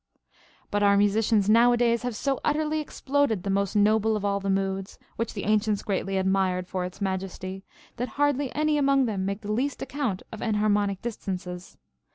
But our musicians nowadays have so utterly ex ploded the most noble of all the moods, which the ancients greatly admired for its majesty, that hardly any among them make the least account of enharmonic distances.